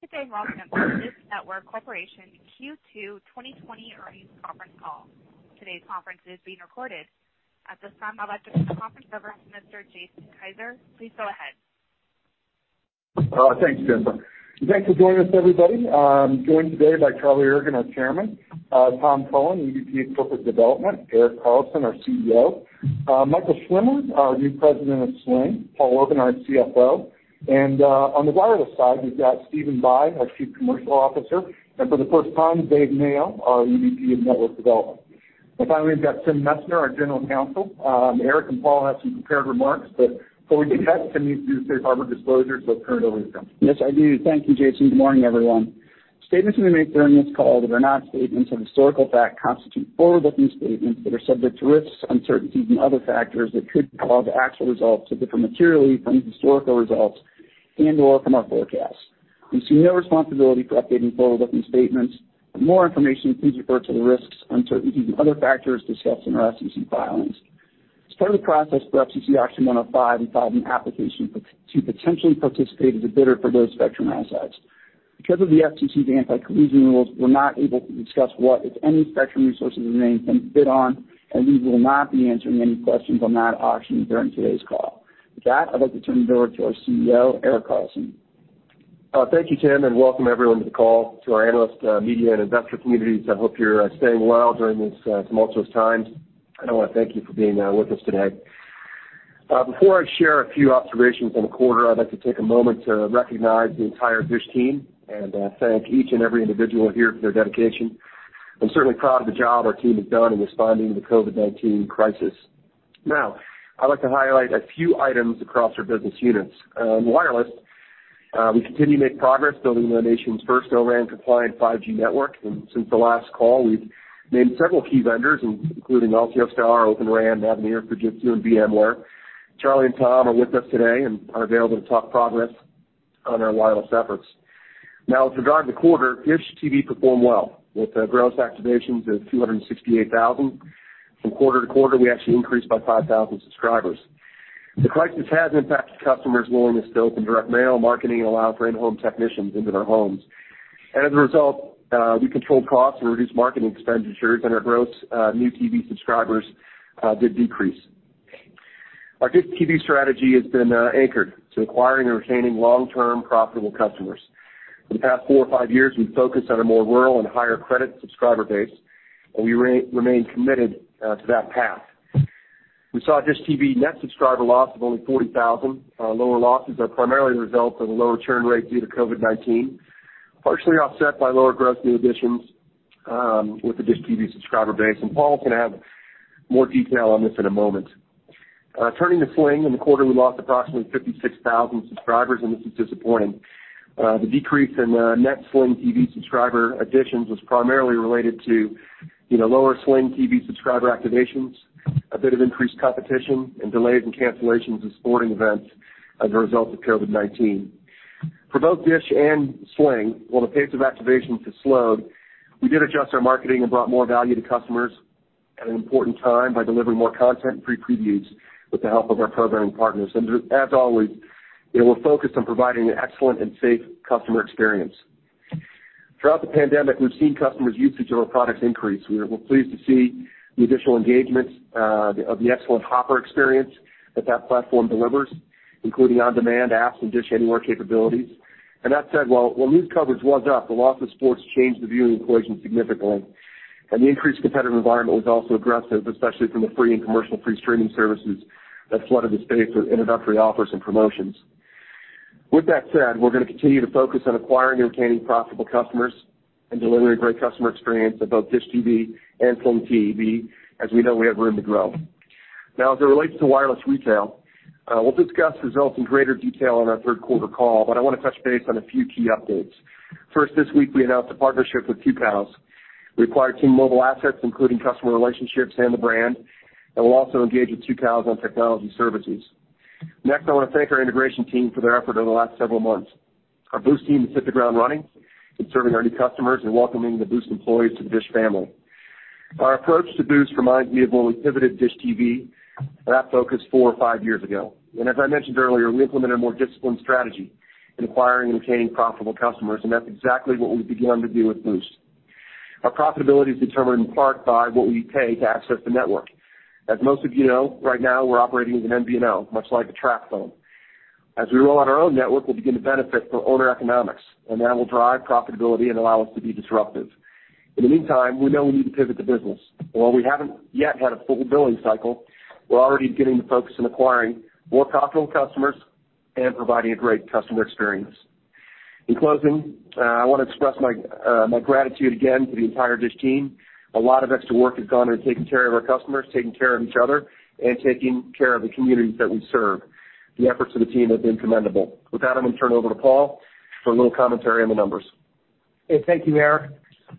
Good day and welcome to the DISH Network Corporation Q2 2020 Earnings Conference Call. Today's conference is being recorded. At this time, I'd like to turn the conference over to Mr. Jason Kiser. Please go ahead. Thanks, Jennifer. Thanks for joining us, everybody. I'm joined today by Charlie Ergen, our Chairman; Tom Cullen, Executive Vice President of Corporate Development; Erik Carlson, our CEO; Michael Schwimmer, our new Group President, Sling TV; Paul Orban, our CFO; and on the wireless side, we've got Stephen Bye, our Chief Commercial Officer, and for the first time, Dave Mayo, our Executive Vice President of Network Development. Finally, we've got Timothy Messner, our General Counsel. Erik and Paul have some prepared remarks, but before we do that, Tim, you need to do safe harbor disclosures with regard to earnings. Yes, I do. Thank you, Jason. Good morning, everyone. Statements we make during this call that are not statements of historical fact constitute forward-looking statements that are subject to risks, uncertainties, and other factors that could cause actual results to differ materially from historical results and/or from our forecasts. We assume no responsibility for updating forward-looking statements. For more information, please refer to the risks, uncertainties, and other factors discussed in our SEC filings. As part of the process for FCC Auction 105, we filed an application to potentially participate as a bidder for those spectrum assets. Because of the FCC's anti-collusion rules, we're not able to discuss what, if any, spectrum resources we may intend to bid on, and we will not be answering any questions on that auction during today's call. With that, I'd like to turn it over to our CEO, Erik Carlson. Thank you, Tim, and welcome everyone to the call. To our analyst, media, and investor communities, I hope you're staying well during these tumultuous times, and I wanna thank you for being with us today. Before I share a few observations on the quarter, I'd like to take a moment to recognize the entire DISH team and thank each and every individual here for their dedication. I'm certainly proud of the job our team has done in responding to the COVID-19 crisis. I'd like to highlight a few items across our business units. Wireless, we continue to make progress building the nation's first O-RAN compliant 5G network. Since the last call, we've named several key vendors, including Altiostar, Open RAN, Mavenir, Fujitsu, and VMware. Charlie and Tom are with us today and are available to talk progress on our wireless efforts. With regard to the quarter, DISH TV performed well with gross activations of 268,000. From quarter to quarter, we actually increased by 5,000 subscribers. The crisis has impacted customers' willingness to open direct mail, marketing, and allowing in-home technicians into their homes. As a result, we controlled costs and reduced marketing expenditures, and our gross new TV subscribers did decrease. Our DISH TV strategy has been anchored to acquiring and retaining long-term profitable customers. For the past four or five years, we've focused on a more rural and higher credit subscriber base, and we remain committed to that path. We saw DISH TV's net subscriber loss of only 40,000. Lower losses are primarily the result of a lower churn rate due to COVID-19, partially offset by lower gross new additions with the DISH TV subscriber base. Paul is gonna have more detail on this in a moment. Turning to Sling, in the quarter we lost approximately 56,000 subscribers, and this is disappointing. The decrease in net Sling TV subscriber additions was primarily related to, you know, lower Sling TV subscriber activations, a bit of increased competition, and delays and cancellations of sporting events as a result of COVID-19. For both DISH and Sling, while the pace of activations has slowed, we did adjust our marketing and brought more value to customers at an important time by delivering more content and free previews with the help of our programming partners. As always, you know, we're focused on providing an excellent and safe customer experience. Throughout the pandemic, we've seen customers' usage of our products increase. We're pleased to see the additional engagements of the excellent Hopper experience that platform delivers, including on-demand apps and dish@home capabilities. That said, while news coverage was up, the loss of sports changed the viewing equation significantly, and the increased competitive environment was also aggressive, especially from the free and commercial-free streaming services that flooded the space with introductory offers and promotions. With that said, we're gonna continue to focus on acquiring and retaining profitable customers and delivering a great customer experience at both DISH TV and Sling TV, as we know we have room to grow. Now as it relates to wireless retail, we'll discuss the results in greater detail on our third quarter call, but I wanna touch base on a few key updates. First, this week we announced a partnership with T-Mobile. We acquired T-Mobile assets, including customer relationships and the brand, and we'll also engage with T-Mobile on technology services. Next, I wanna thank our integration team for their effort over the last several months. Our Boost team has hit the ground running in serving our new customers and welcoming the Boost employees to the DISH family. Our approach to Boost reminds me of when we pivoted DISH TV with that focus four or five years ago. As I mentioned earlier, we implemented a more disciplined strategy in acquiring and retaining profitable customers, and that's exactly what we've begun to do with Boost. Our profitability is determined in part by what we pay to access the network. As most of you know, right now we're operating as an MVNO, much like a TracFone. As we roll out our own network, we'll begin to benefit from owner economics, and that will drive profitability and allow us to be disruptive. In the meantime, we know we need to pivot the business. While we haven't yet had a full billing cycle, we're already beginning to focus on acquiring more profitable customers and providing a great customer experience. In closing, I wanna express my gratitude again to the entire DISH team. A lot of extra work has gone into taking care of our customers, taking care of each other, and taking care of the communities that we serve. The efforts of the team have been commendable. With that, I'm gonna turn it over to Paul for a little commentary on the numbers. Okay. Thank you, Erik.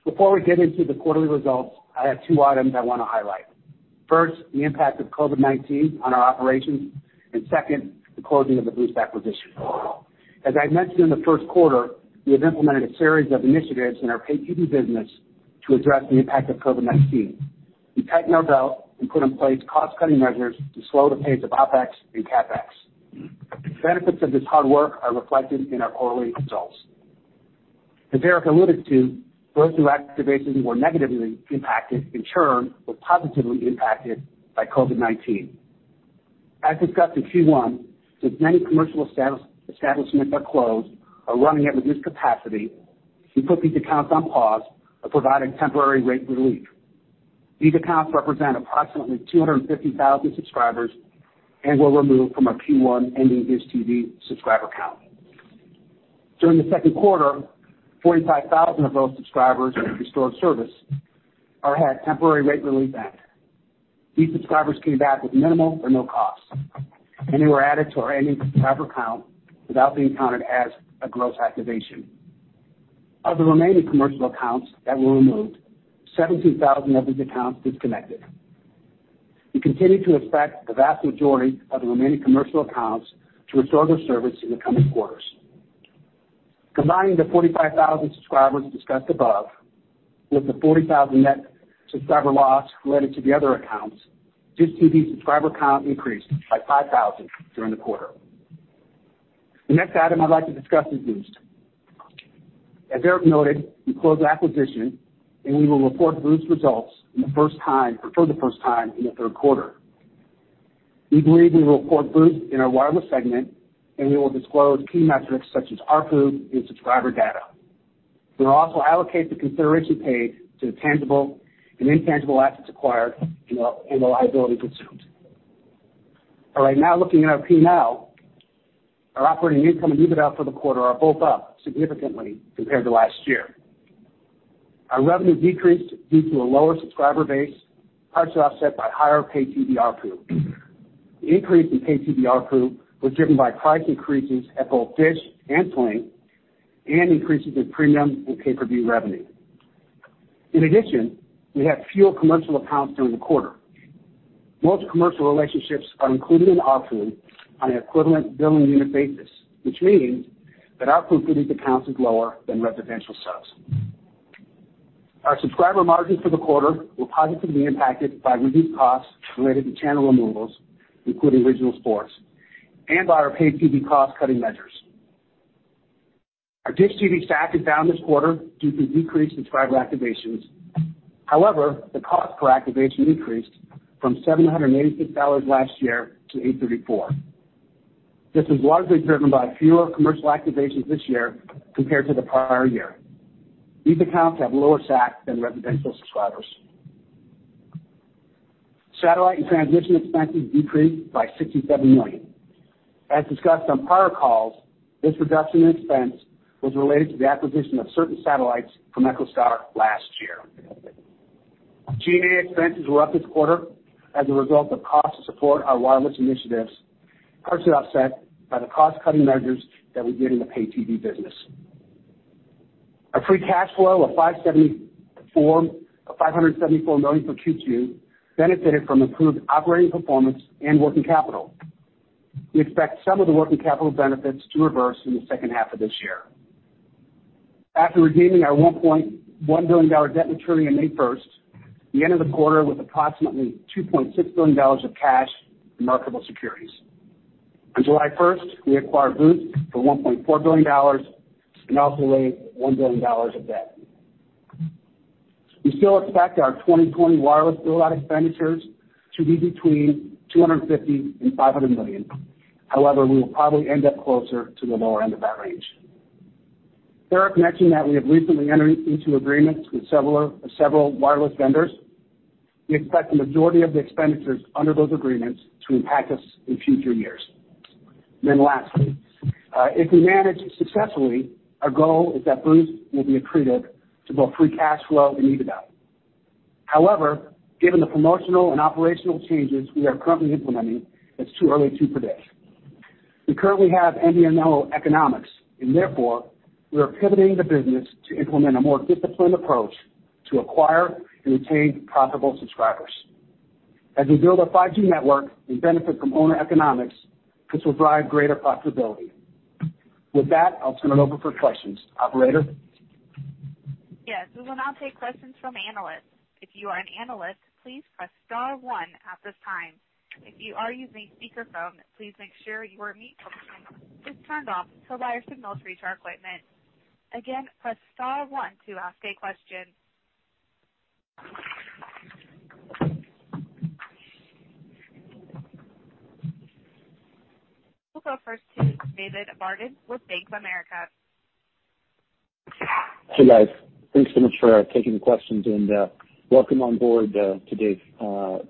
Before we get into the quarterly results, I have two items I want to highlight. First, the impact of COVID-19 on our operations. Second, the closing of the Boost acquisition. As I mentioned in the first quarter, we have implemented a series of initiatives in our pay TV business to address the impact of COVID-19. We tightened our belts and put in place cost-cutting measures to slow the pace of OpEx and CapEx. The benefits of this hard work are reflected in our quarterly results. As Erik alluded to, both new activations were negatively impacted, and churn was positively impacted, by COVID-19. As discussed in Q1, since many commercial establishments are closed or running at reduced capacity, we put these accounts on pause by providing temporary rate relief. These accounts represent approximately 250,000 subscribers and were removed from our Q1 ending DISH TV subscriber count. During the second quarter, 45,000 of those subscribers restored service or had temporary rate relief end. These subscribers came back with minimal or no cost, and they were added to our ending subscriber count without being counted as a gross activation. Of the remaining commercial accounts that were removed, 17,000 of these accounts disconnected. We continue to expect the vast majority of the remaining commercial accounts to restore their service in the coming quarters. Combining the 45,000 subscribers discussed above with the 40,000 net subscriber loss related to the other accounts, DISH TV's subscriber count increased by 5,000 during the quarter. The next item I'd like to discuss is Boost. As Erik noted, we closed the acquisition; we will report Boost results for the first time in the third quarter. We believe we will report Boost in our wireless segment; we will disclose key metrics such as ARPU and subscriber data. We will also allocate the consideration paid to the tangible and intangible assets acquired and the liability consumed. Now looking at our P&L, our operating income and EBITDA for the quarter are both up significantly compared to last year. Our revenue decreased due to a lower subscriber base, partially offset by higher pay-TV ARPU. The increase in pay-TV ARPU was driven by price increases at both DISH and Sling and increases in premium and pay-per-view revenue. In addition, we had fewer commercial accounts during the quarter. Most commercial relationships are included in ARPU on an equivalent billing unit basis, which means that ARPU for these accounts is lower than residential subscribers. Our subscriber margins for the quarter were positively impacted by reduced costs related to channel removals, including regional sports, and by our pay-TV cost-cutting measures. Our DISH TV SAC is down this quarter due to a decrease in subscriber activations. The cost per activation increased from $786 last year to $834. This is largely driven by fewer commercial activations this year compared to the prior year. These accounts have lower SAC than residential subscribers. Satellite and transition expenses decreased by $67 million. As discussed on prior calls, this reduction in expense was related to the acquisition of certain satellites from EchoStar last year. G&A expenses were up this quarter as a result of costs to support our wireless initiatives, partially offset by the cost-cutting measures that we did in the pay-TV business. Our free cash flow of $574 million for Q2 benefited from improved operating performance and working capital. We expect some of the working capital benefits to reverse in the second half of this year. After redeeming our $1.1 billion debt maturing on May first, we ended the quarter with approximately $2.6 billion in cash and marketable securities. On July 1st, we acquired Boost for $1.4 billion and also raised $1 billion of debt. We still expect our 2020 wireless build-out expenditures to be between $250 million-$500 million. However, we will probably end up closer to the lower end of that range. Per our connection, we have recently entered into agreements with several wireless vendors; we expect the majority of the expenditures under those agreements to impact us in future years. Lastly, if we manage successfully, our goal is that Boost will be accretive to both free cash flow and EBITDA. However, given the promotional and operational changes we are currently implementing, it's too early to predict. We currently have MVNO economics; therefore, we are pivoting the business to implement a more disciplined approach to acquire and retain profitable subscribers. As we build our 5G network and benefit from owner economics, this will drive greater profitability. With that, I'll turn it over for questions. Operator? Yes, we will now take questions from analysts. We'll go first to David Barden with Bank of America. Hey, guys. Thanks so much for taking the questions, and welcome on board to Dave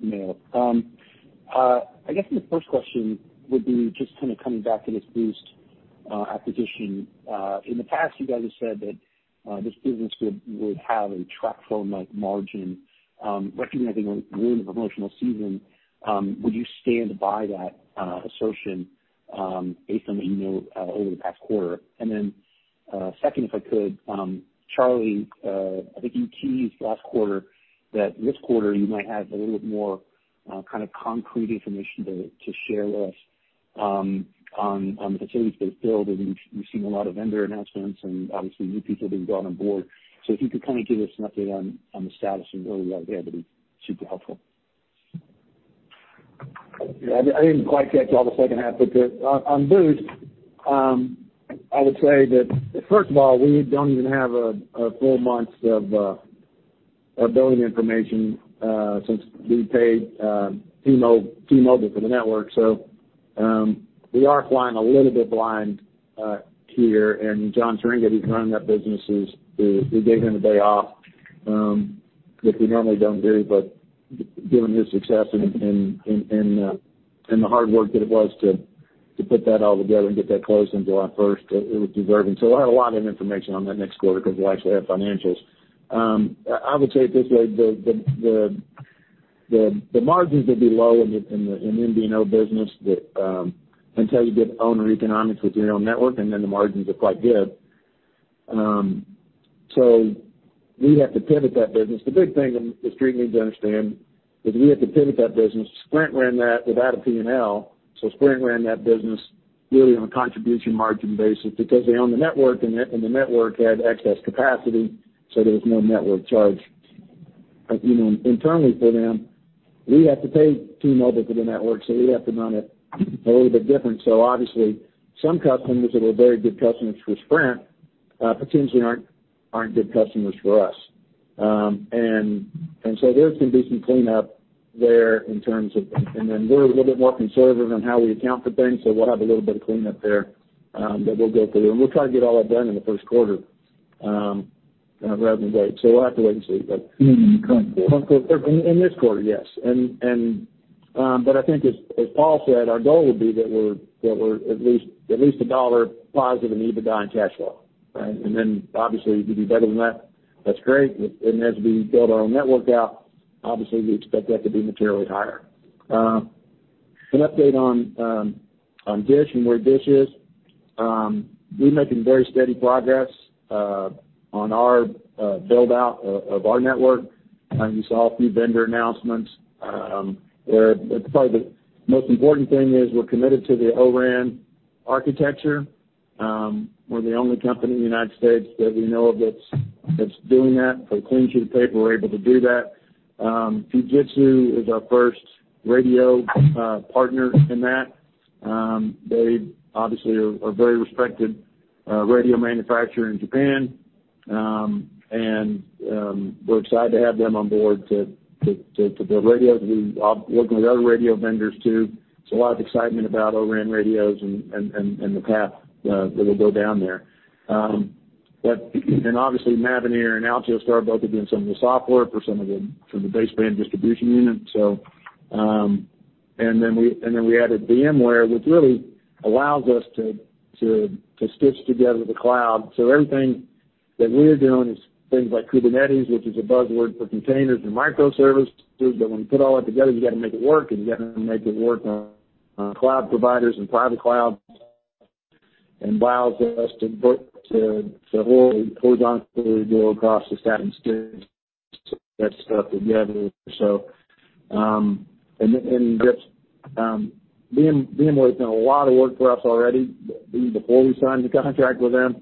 Mayo. I guess my first question would be just kind of coming back to this Boost acquisition. In the past, you guys have said that this business would have a TracFone-like margin. Recognizing we're in a promotional season, would you stand by that assertion, based on the email over the past quarter? Second, if I could, Charlie, I think you teased last quarter that this quarter you might have a little bit more kind of concrete information to share with us. On the facilities they've built, I mean, we've seen a lot of vendor announcements and obviously new people being brought on board. If you could kind of give us an update on the status and where we are there, that would be super helpful. Yeah. I didn't quite catch all the second half. On Boost, I would say that first of all, we don't even have a full month of billing information since we paid T-Mobile for the network. We are flying a little bit blind here, and John Swieringa, who's running that business, we gave the day off, which we normally don't do, but given his success in the hard work that it was to put that all together and get that close on July first, it was deserving. We'll have a lot of information on that next quarter 'cause we'll actually have financials. I would say it this way: the margins will be low in the MVNO business until you get owner economics with your own network, and then the margins are quite good. We have to pivot that business. The big thing that the street needs to understand is we have to pivot that business. Sprint ran that without a P&L, so Sprint ran that business really on a contribution margin basis because they owned the network and the network had excess capacity, so there was no network charge internally for them. We have to pay T-Mobile for the network; we have to run it a little bit differently. Obviously, some customers that are very good customers for Sprint potentially aren't good customers for us. There's gonna be some cleanup there. Then we're a little bit more conservative on how we account for things, so we'll have a little bit of cleanup there that we'll go through. We'll try to get all that done in the first quarter, revenue break, so we'll have to wait and see. You mean current quarter? In this quarter, Yes. I think as Paul said, our goal would be that we're at least $1+ in EBITDA and cash flow, right? Obviously, if we do better than that's great. An update on DISH Network and where DISH Network is: we're making very steady progress on our build-out of our network. You saw a few vendor announcements. Where probably the most important thing is we're committed to the O-RAN architecture. We're the only company in the U.S. that we know of that's doing that. With a clean sheet of paper, we're able to do that. Fujitsu is our first radio partner in that. They obviously are a very respected radio manufacturer in Japan. We're excited to have them on board to build radios. We are working with other radio vendors too. There's a lot of excitement about O-RAN radios and the path that'll go down there. Obviously Mavenir and Altiostar are both doing some of the software for the baseband distribution unit. We added VMware, which really allows us to stitch together the cloud. Everything that we're doing is things like Kubernetes, which is a buzzword for containers and microservices, but when you put all that together, you gotta make it work, and you gotta make it work on cloud providers and private clouds, and allows us to horizontally go across the stack and stitch that stuff together. VMware's done a lot of work for us already, even before we signed the contract with them.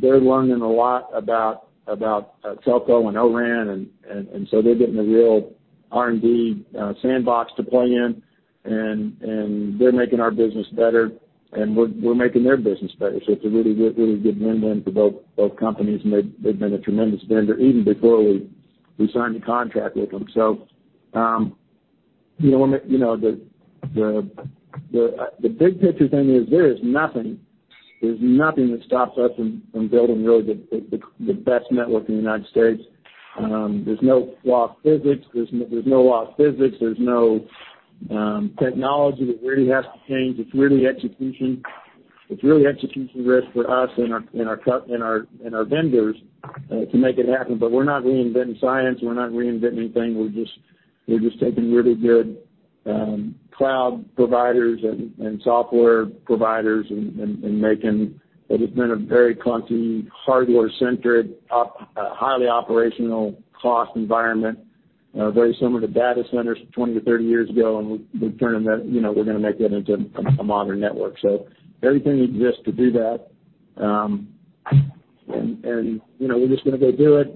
They're learning a lot about telco and O-RAN and so they're getting a real R&D sandbox to play in and they're making our business better, and we're making their business better. It's a really good win-win for both companies, and they've been a tremendous vendor even before we signed the contract with them. You know, the big picture thing is there's nothing that stops us from building really the best network in the United States. There's no law of physics. There's no technology that really has to change. It's really execution risk for us and our vendors to make it happen. We're not reinventing science. We're not reinventing anything. We're just taking really good cloud providers and software providers and making what has been a very clunky, hardware-centered, highly operational cost environment, very similar to data centers 20-30 years ago, and we're turning that; you know, we're gonna make that into a modern network. Everything exists to do that. You know, we're just gonna go do it.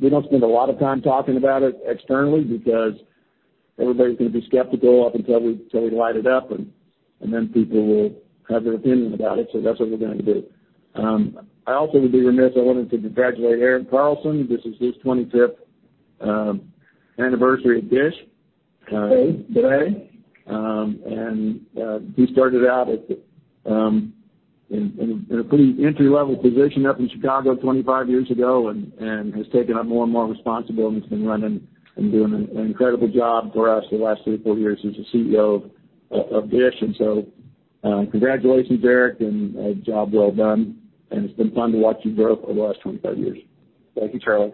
We don't spend a lot of time talking about it externally because everybody's gonna be skeptical up until we light it up, and then people will have their opinion about it, so that's what we're gonna do. I also would be remiss, I wanted to congratulate Erik Carlson. This is his 25th anniversary at DISH today. He started out in a pretty entry-level position up in Chicago 25 years ago and has taken on more and more responsibilities and running and doing an incredible job for us the last three or four years as the CEO of DISH. Congratulations, Erik; a job well done, and it's been fun to watch you grow over the last 25 years. Thank you, Charlie.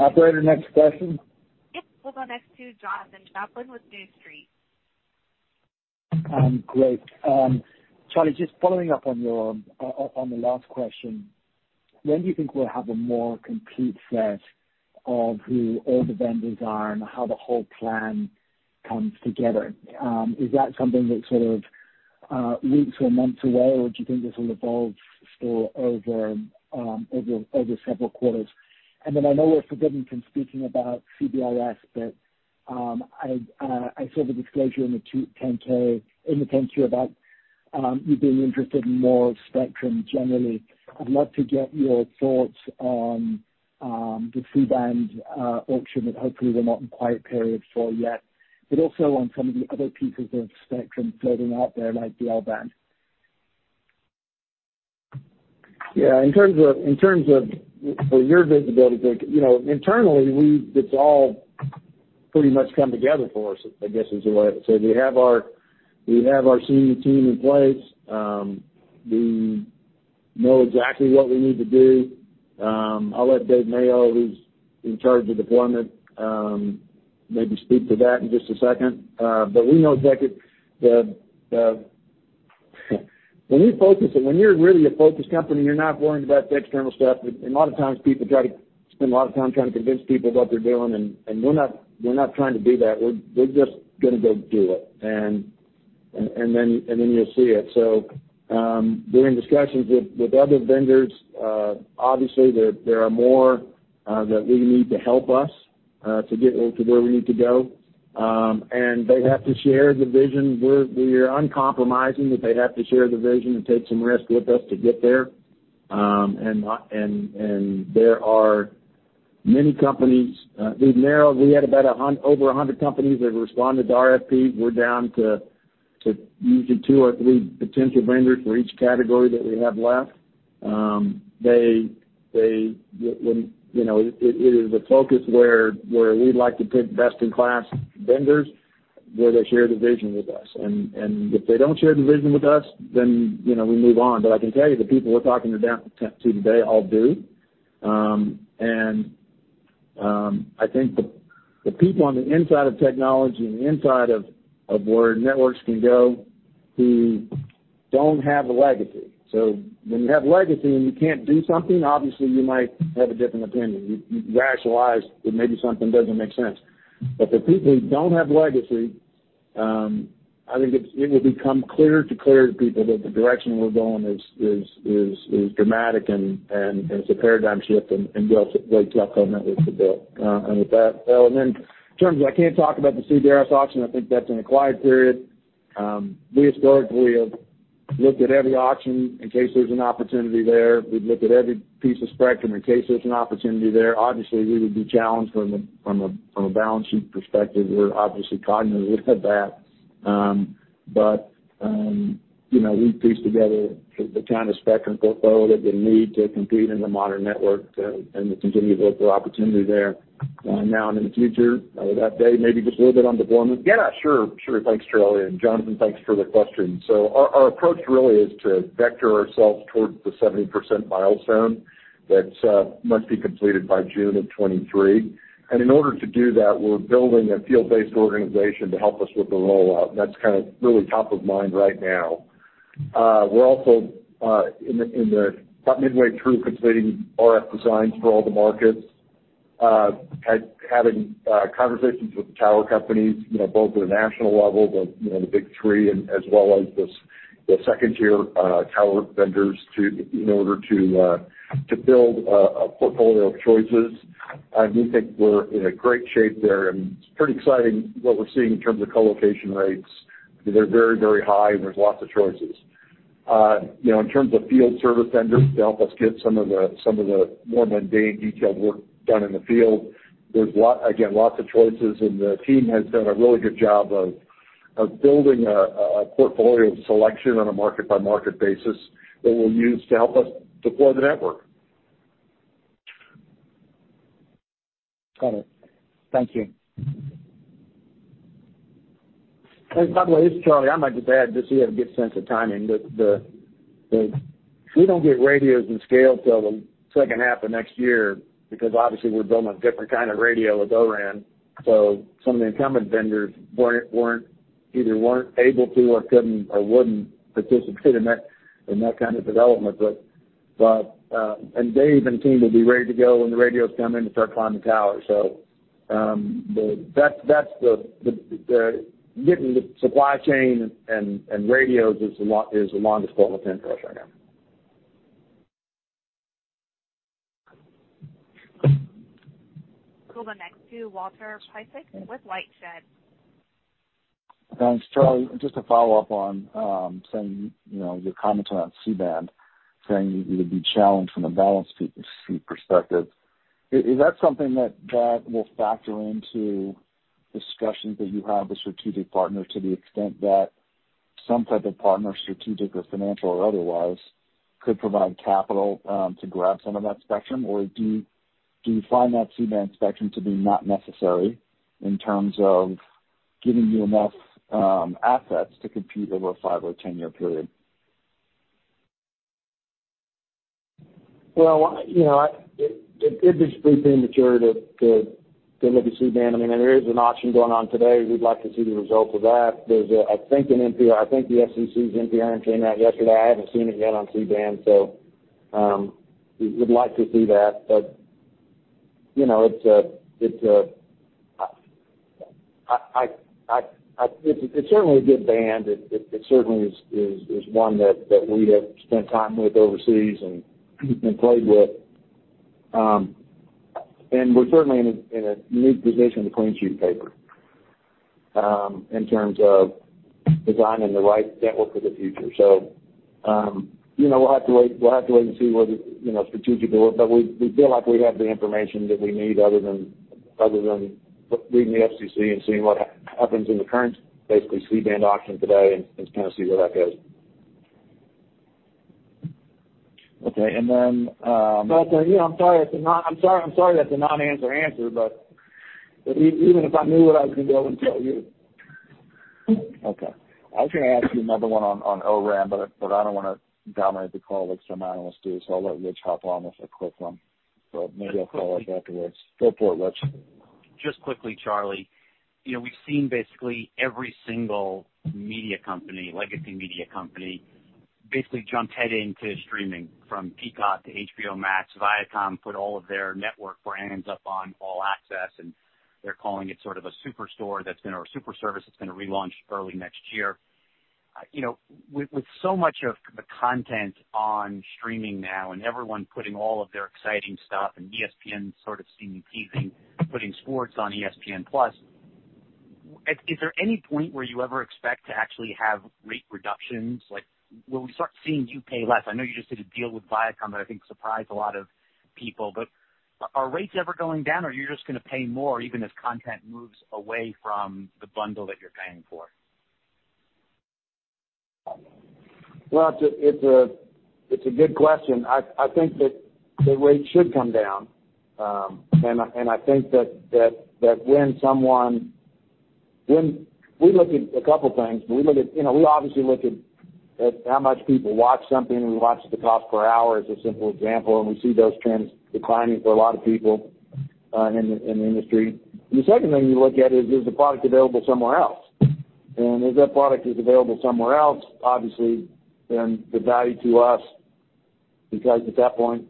Operator, next question. Yep. We'll go next to Jonathan Chaplin with New Street. Great. Charlie, just following up on your last question, when do you think we'll have a more complete set of who all the vendors are and how the whole plan comes together? Is that something that's sort of weeks or months away, or do you think this will evolve still over several quarters? I know we're forbidden from speaking about CBRS, but I saw the disclosure in the 10-K, in the 10-Q about you being interested in more spectrum generally. I'd love to get your thoughts on the C-band auction that hopefully we're not in quiet period for yet, but also on some of the other pieces of spectrum floating out there, like the L-band. Yeah. In terms of your visibility, but, you know, internally, it's all pretty much come together for us, I guess, is the way. We have our senior team in place. We know exactly what we need to do. I'll let Dave Mayo, who's in charge of deployment, maybe speak to that in just a second. We know exactly the When you focus and when you're really a focused company, you're not worrying about the external stuff. A lot of times people try to spend a lot of time trying to convince people what they're doing, and we're not trying to do that. We're just gonna go do it. And then you'll see it. We're in discussions with other vendors. Obviously, there are more that we need to help us to get to where we need to go. They have to share the vision. We are uncompromising that they have to share the vision and take some risk with us to get there. There are many companies. We've narrowed. We had about over 100 companies that have responded to the RFP. We're down to usually two or three potential vendors for each category that we have left. They when, you know, it is a focus where we like to pick best-in-class vendors, where they share the vision with us. If they don't share the vision with us, then, you know, we move on. I can tell you, the people we're talking to today all do. I think the people on the inside of technology and the inside of where networks can go, who don't have a legacy. When you have a legacy and you can't do something, obviously you might have a different opinion. You rationalize that maybe something doesn't make sense. The people who don't have legacy, I think it will become clearer to people that the direction we're going is dramatic and is a paradigm shift and we'll tell partners to build. With that, in terms of I can't talk about the CBRS auction, I think that's in a quiet period. We historically have looked at every auction in case there's an opportunity there. We've looked at every piece of spectrum in case there's an opportunity there. Obviously, we would be challenged from a balance sheet perspective. We're obviously cognizant of that. You know, we pieced together the kind of spectrum portfolio that we need to compete in the modern network, and we continue to look for opportunity there, now and in the future. With that, Dave, maybe just a little bit on deployment. Yeah, sure. Sure. Thanks, Charlie. Jonathan, thanks for the question. Our, our approach really is to vector ourselves towards the 70% milestone that must be completed by June of 2023. In order to do that, we're building a field-based organization to help us with the rollout, and that's kind of really top of mind right now. We're also about midway through completing RF designs for all the markets. Having conversations with the tower companies, you know, both at a national level, the, you know, the Big Three, as well as the second-tier tower vendors, in order to build a portfolio of choices. We think we're in great shape there, and it's pretty exciting what we're seeing in terms of co-location rates. They're very high, and there are lots of choices. You know, in terms of field service vendors to help us get some of the more mundane, detailed work done in the field, there's again, lots of choices. The team has done a really good job of building a portfolio of selection on a market-by-market basis that we'll use to help us deploy the network. Got it. Thank you. By the way, this is Charlie. I might just add, just so you have a good sense of timing, we don't get radios and scale till the second half of next year because obviously we're building a different kind of radio with O-RAN. Some of the incumbent vendors weren't able to or couldn't or wouldn't participate in that kind of development. Dave and the team will be ready to go when the radios come in to start climbing towers. Getting the supply chain and radios is the longest pole in the tent for us right now. We'll go next to Walter Piecyk with LightShed. Thanks, Charlie. Just to follow up on your comments around C-band, saying you would be challenged from a balance sheet perspective. Is that something that will factor into discussions as you have with strategic partners to the extent that some type of partner, strategic or financial or otherwise, could provide capital to grab some of that spectrum? Or do you find that C-band spectrum to be unnecessary in terms of giving you enough assets to compete over a five- or 10-year period? Well, you know, it'd be pretty premature to look at C-band. I mean, there is an auction going on today. We'd like to see the result of that. There's a, I think, NPRM. I think the FCC's NPRM came out yesterday. I haven't seen it yet on C-band. We would like to see that. You know, it's certainly a good band. It certainly is one that we have spent time with overseas and played with. We're certainly in a unique position with a clean sheet paper in terms of designing the right network for the future. You know, we'll have to wait and see whether, you know, strategic or, but we feel like we have the information that we need other than reading the FCC and seeing what happens in the current, basically, C-band auction today and kind of seeing where that goes. Okay. You know, I'm sorry that's a non-answer answer; even if I knew it, I couldn't go and tell you. Okay. I was gonna ask you another one on O-RAN, but I don't wanna dominate the call like some analysts do, so I'll let Rich hop on with a quick one. Maybe I'll call back afterwards. Go for it, Rich. Just quickly, Charlie. You know, we've seen basically every single media company, legacy media company, basically jump head into streaming, from Peacock to HBO Max. Viacom put all of their network brands up on All Access, and they're calling it sort of a superstore that's going to, or super service that's gonna relaunch early next year. You know, with so much of the content on streaming now and everyone putting all of their exciting stuff, and ESPN sort of seeming teasing putting sports on ESPN+. Is there any point where you ever expect to actually have rate reductions? Like, will we start seeing you pay less? I know you just did a deal with Viacom that I think surprised a lot of people, but are rates ever going down, or you're just gonna pay more even as content moves away from the bundle that you're paying for? Well, it's a good question. I think that the rates should come down. I think that when someone, we look at two things. We look at, you know, we obviously look at how much people watch something. We watch the cost per hour; as a simple example, we see those trends declining for a lot of people in the industry. The second thing you look at is the product available somewhere else. If that product is available somewhere else, obviously then the value to us, because at that point,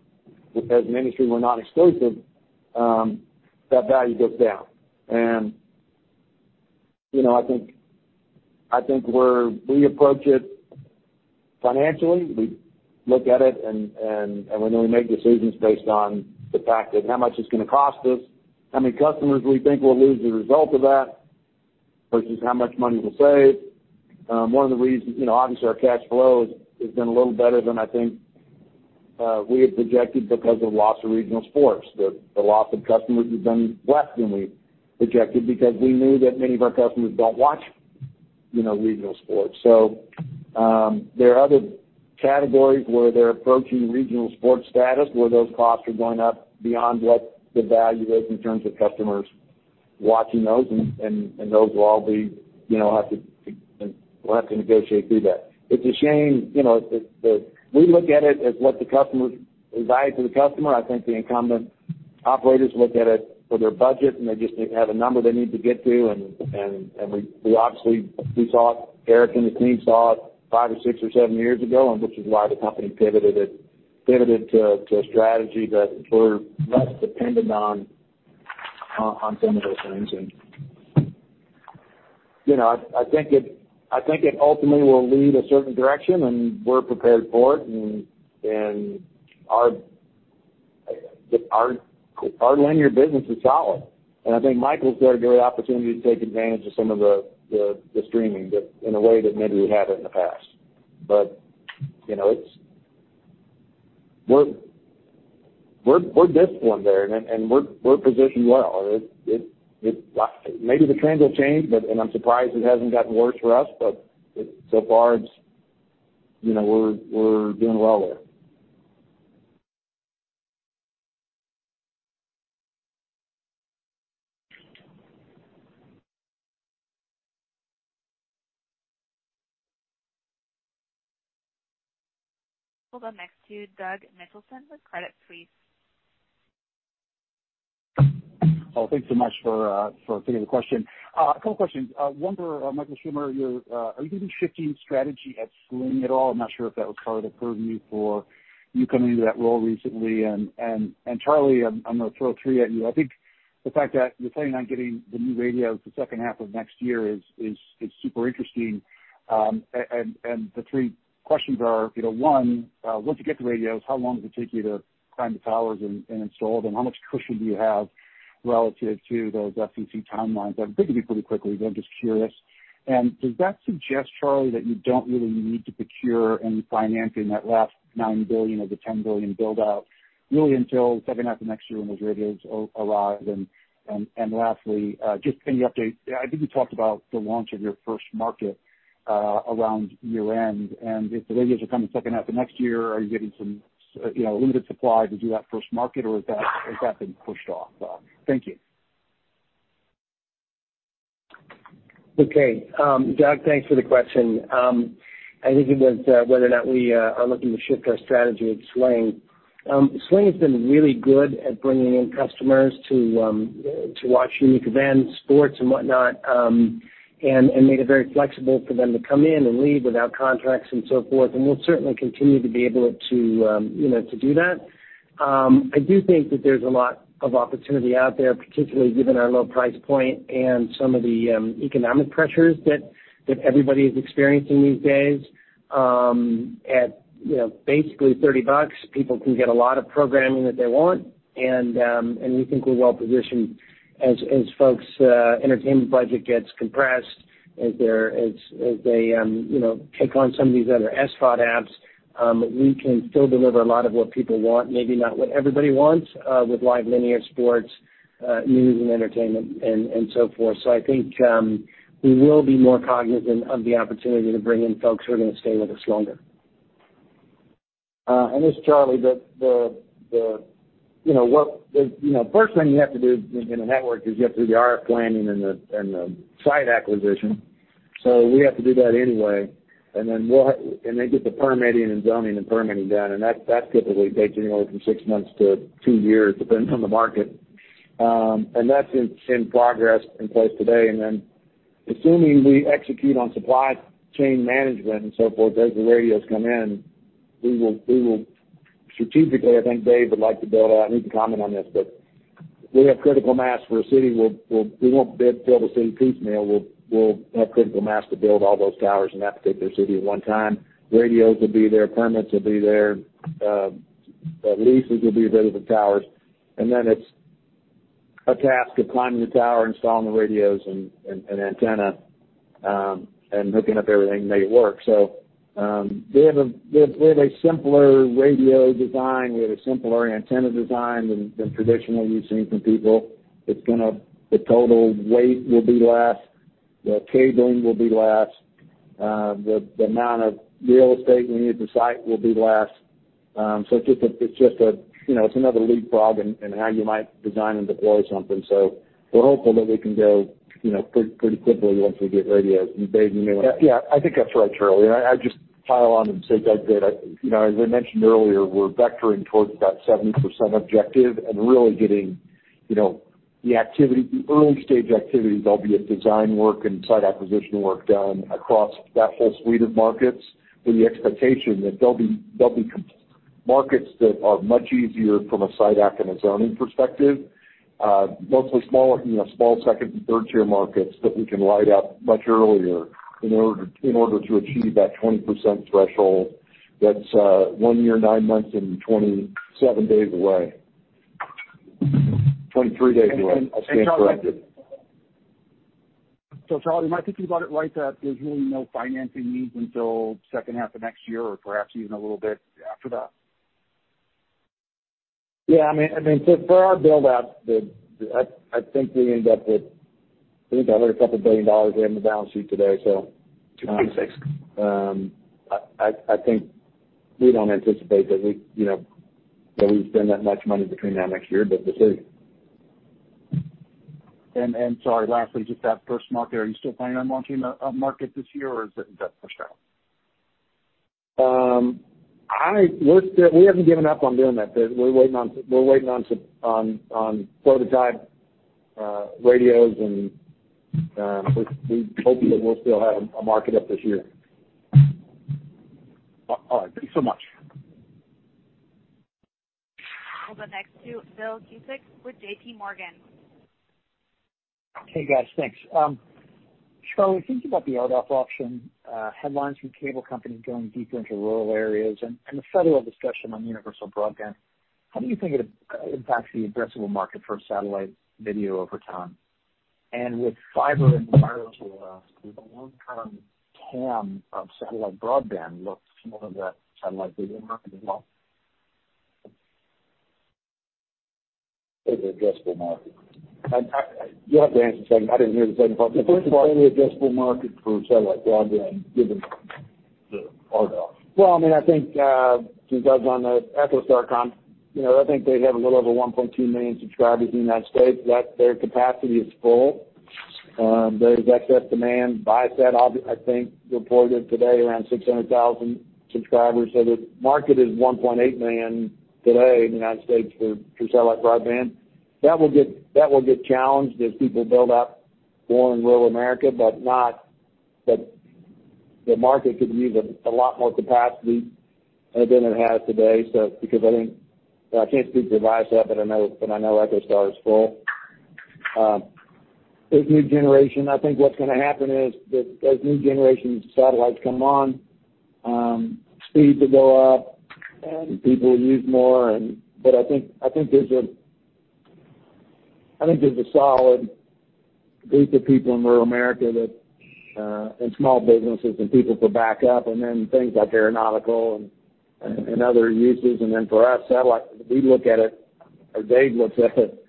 as an industry, we're not exclusive, that value goes down. You know, I think we approach it financially. We look at it, and then we make decisions based on the fact of how much it's gonna cost us, how many customers we think we'll lose as a result of that versus how much money we'll save. One of the reasons, you know, obviously our cash flow has been a little better than I think we had projected because of loss of regional sports. The loss of customers has been less than we projected because we knew that many of our customers don't watch, you know, regional sports. There are other categories where they're approaching regional sports status, where those costs are going up beyond what the value is in terms of customers watching those, and those will all be, you know, we'll have to negotiate through that. It's a shame, you know, We look at it as the value to the customer. I think the incumbent operators look at it for their budget; they just have a number they need to get to. We obviously saw it; Erik and the team saw it five or six or seven years ago, which is why the company pivoted to a strategy that we're less dependent on some of those things. You know, I think it ultimately will lead a certain direction, and we're prepared for it. Our linear business is solid, and I think Michael Schwimmer's got a great opportunity to take advantage of some of the streaming that, in a way that maybe we haven't in the past. You know, we're disciplined there, and we're positioned well. Maybe the trends will change, but I'm surprised it hasn't gotten worse for us. So far, you know, we're doing well with it. We'll go next to Doug Mitchelson with Credit Suisse. Thanks so much for taking the question. A couple questions. One for Michael Schwimmer. You're going to be shifting strategy at Sling at all? I'm not sure if that was part of the purview for you coming into that role recently. Charlie, I'm gonna throw three at you. I think the fact that you're planning on getting the new radios the second half of next year is super interesting. The three questions are, you know, one, once you get the radios, how long does it take you to climb the towers and install them? How much cushion do you have relative to those FCC timelines? I think it'd be pretty quick; I'm just curious. Does that suggest, Charlie, that you don't really need to procure any financing for that last $9 billion of the $10 billion build-out until the second half of next year when those radios arrive? Lastly, can you just update? I think you talked about the launch of your first market around year-end? If the radios are coming in the second half of next year, are you getting some, you know, limited supply to do that first market, or has that been pushed off? Thank you. Okay. Doug, thanks for the question. I think it was whether or not we are looking to shift our strategy with Sling. Sling has been really good at bringing in customers to watch unique events, sports, and whatnot and made it very flexible for them to come in and leave without contracts and so forth, and we'll certainly continue to be able to, you know, to do that. I do think that there's a lot of opportunity out there, particularly given our low price point and some of the economic pressures that everybody is experiencing these days. At, you know, basically $30, people can get a lot of programming that they want, and we think we're well positioned as folks' entertainment budget gets compressed as they, you know, take on some of these other SVOD apps, we can still deliver a lot of what people want, maybe not what everybody wants, with live linear sports, news, entertainment, and so forth. I think we will be more cognizant of the opportunity to bring in folks who are gonna stay with us longer. This is Charlie Ergen. The, you know, the, you know, first thing you have to do in a network is you have to do the RF planning and the site acquisition. We have to do that anyway and get the permitting and zoning done. That typically takes anywhere from six months to two years, depends on the market. That's in progress in place today. Assuming we execute on supply chain management and so forth, as the radios come in, we will Strategically, I think Dave would like to build out. He can comment on this: if we have critical mass for a city, we won't build the city piecemeal. We'll have critical mass to build all those towers in that particular city at one time. Radios will be there, permits will be there, and the leases will be there for the towers, and then it's a task of climbing the tower, installing the radios and antenna, and hooking up everything to make it work. We have a simpler radio design. We have a simpler antenna design than the traditional ones you've seen from people. The total weight will be less, the cabling will be less, the amount of real estate we need at the site will be less. It's just another leapfrog in how you might design and deploy something. We're hopeful that we can go, you know, pretty quickly once we get radios. Dave, you may. Yeah. Yeah, I think that's right, Charlie. I just pile on and say, like Dave, you know, as I mentioned earlier, we're vectoring towards that 70% objective and really getting, you know, the activity, the early-stage activities, albeit design work and site acquisition work, done across that whole suite of markets with the expectation that there'll be markets that are much easier from a site acquisition and zoning perspective. Mostly smaller, you know, small second- and third-tier markets that we can light up much earlier in order to achieve that 20% threshold that's one year, nine months, and 27 days away. 23 days away. I stand corrected. And, Charlie-Charlie, am I thinking about it right that there's really no financing need until the second half of next year or perhaps even a little bit after that? I mean, for our build-out, I think we end up with, I think, a couple billion dollars we have on the balance sheet today. Two-point-six. I think we don't anticipate that we, you know, spend that much money between now and next year. We'll see. And sorry, lastly, just that first market. Are you still planning on launching a market this year, or has that been pushed out? We haven't given up on doing that. We're waiting on some prototype radios and we hope that we'll still have a market up this year. All right. Thank you so much. We'll go next to Philip Cusick with JPMorgan. Hey, guys. Thanks. Charlie, thinking about the RDOF auction, headlines from cable companies going deeper into rural areas, and the federal discussion on universal broadband, how do you think it impacts the addressable market for satellite video over time? With fiber and wireless rollout, does the long-term TAM of satellite broadband look similar to that satellite video market as well? What is the addressable market? You'll have to answer the second. I didn't hear the second part. The first part. What's the total addressable market for satellite broadband given the RDOF? Well, I mean, I think Doug's on EchoStar; you know, I think they have a little over 1.2 million subscribers in the U.S. Their capacity is full. There's excess demand. Viasat, I think, reported today around 600,000 subscribers. The market is 1.8 million today in the U.S. for satellite broadband. That will get challenged as people build out more in rural America; the market could use a lot more capacity than it has today. Because I can't speak for Viasat, but I know EchoStar is full. As a new generation, I think what's gonna happen is that as new generation satellites come on, speeds will go up and people will use more and I think there's a solid group of people in rural America that and small businesses and people for backup and then things like aeronautical and other uses. For us, satellite, we look at it as Dave looks at it.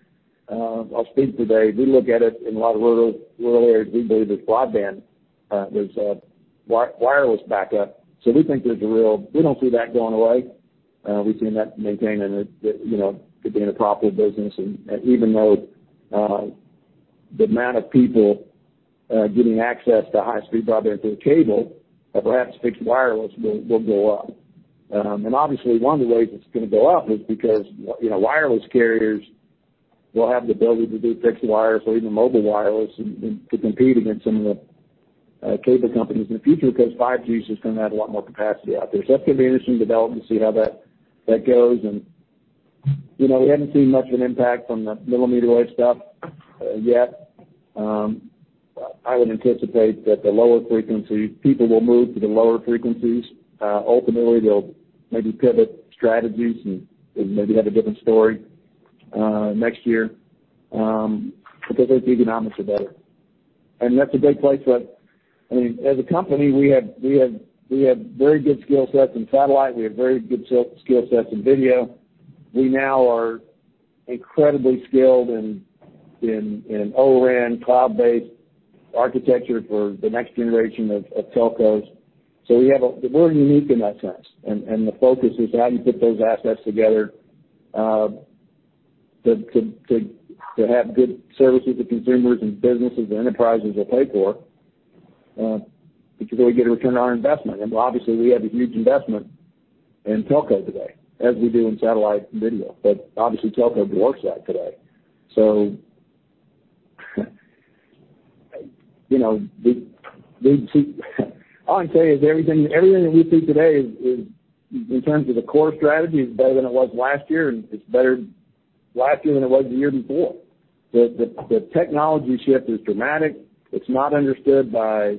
I'll speak for Dave. We look at it in a lot of rural areas. We believe there's broadband and there's wire-wireless backup. We don't see that going away. We've seen that maintain and, you know, could be in a profitable business and, even though, the amount of people getting access to high-speed broadband through cable or perhaps fixed wireless will go up. Obviously, one of the ways it's gonna go up is because, you know, wireless carriers will have the ability to do fixed wireless or even mobile wireless and to compete against some of the cable companies in the future because 5G is just gonna add a lot more capacity out there. That's gonna be an interesting development to see how that goes. You know, we haven't seen much of an impact on the millimeter wave stuff yet. I would anticipate that the lower-frequency people will move to the lower frequencies. Ultimately, they'll maybe pivot strategies and maybe have a different story next year, because those economics are better. I mean, as a company, we have very good skill sets in satellite. We have very good skill sets in video. We now are incredibly skilled in O-RAN cloud-based architecture for the next generation of telcos. We're unique in that sense. The focus is how do you put those assets together to have good services to consumers and businesses and enterprises that will pay for, because they get a return on our investment. Obviously, we have a huge investment in telco today, as we do in satellite and video. Obviously, Telco is the worst site today. you know, we see all I can tell you is everything that we see today is in terms of the core strategy, is better than it was last year, and it's better last year than it was the year before. The technology shift is dramatic. It's not understood by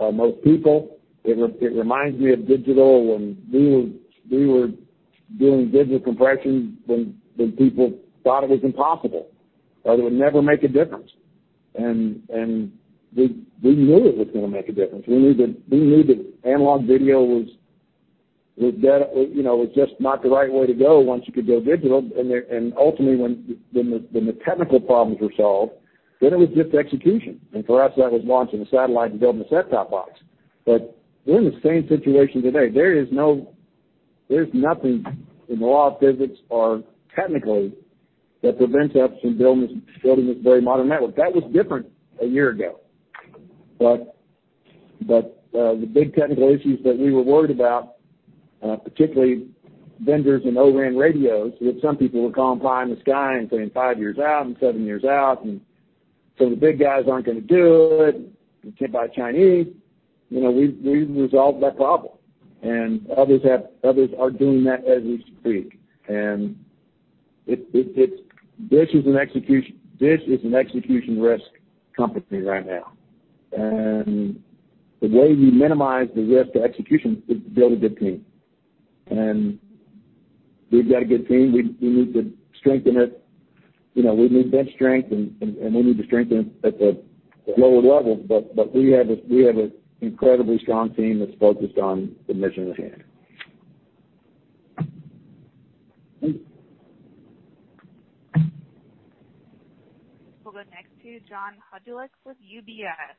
most people. It reminds me of digital when we were doing digital compression when people thought it was impossible, or it would never make a difference. we knew it was gonna make a difference. We knew that analog video was, you know, was just not the right way to go once you could go digital. Ultimately, when the technical problems were solved, then it was just execution. For us, that was launching a satellite and building a set-top box. We're in the same situation today. There's nothing in the law of physics or technically that prevents us from building this very modern network. That was different a year ago. The big technical issues that we were worried about, particularly vendors and ORAN radios, which some people were calling pie in the sky and saying five years out and seven years out, and some of the big guys aren't gonna do it, can't buy Chinese, you know, we've resolved that problem. Others are doing that as we speak. This is an execution risk company right now. The way we minimize the risk to execution is to build a good team. We've got a good team. We need to strengthen it. You know, we need bench strength, and we need to strengthen at the lower levels, but we have an incredibly strong team that's focused on the mission at hand. We'll go next to John Hodulik with UBS.